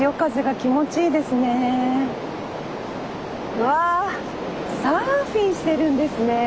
うわサーフィンしてるんですね。